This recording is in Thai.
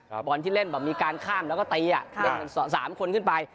ครับบอลที่เล่นแบบมีการข้ามแล้วก็ตีอ่ะครับ๓คนขึ้นไป